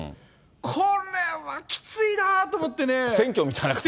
これはきついなあと思ってね。